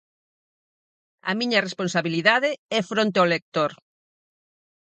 A miña responsabilidade é fronte ao lector.